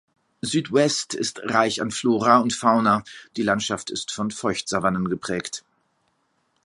Sud-Ouest ist reich an Flora und Fauna, die Landschaft ist von Feuchtsavannen geprägt.